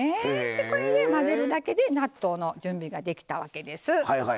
これで混ぜるだけで納豆の準備ができたわけです。